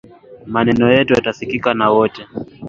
Maneno yetu yatasikika na wote